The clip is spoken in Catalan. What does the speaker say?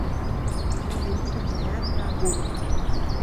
Dilluns en Gerard va a Gurb.